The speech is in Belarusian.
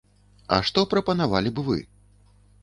А што прапанавалі б вы?